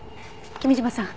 君嶋さん